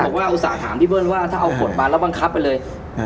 ตอนนี้พี่บอกว่าอุตส่าห์ถามพี่เบิ้ลว่าถ้าเอาผลมาแล้วบังคับไปเลย